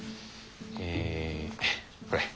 えこれ。